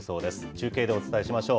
中継でお伝えしましょう。